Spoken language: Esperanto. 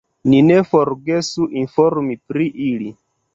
Ni ne forgesu informi pri ili!